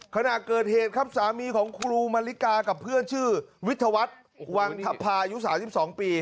ขณะเกิดเหตุครับสามีของครูมาริกากับเพื่อนชื่อวิทยาวัฒน์วังทภายุ๓๒ปี